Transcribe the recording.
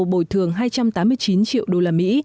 bồi thường hai trăm tám mươi chín triệu đô la mỹ